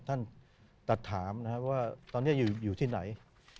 ท่านตัดถามว่าตอนนี้อยู่ที่ไหน